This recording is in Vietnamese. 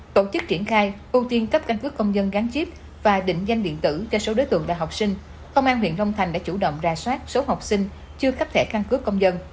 tổ chức triển khai ưu tiên cấp căn cứ công dân gắn chip và định danh điện tử cho số đối tượng là học sinh công an huyện long thành đã chủ động ra soát số học sinh chưa cấp thẻ căn cước công dân